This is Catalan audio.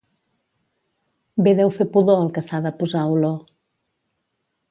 Bé deu fer pudor el que s'ha de posar olor.